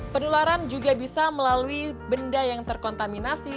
penularan juga bisa melalui benda yang terkontaminasi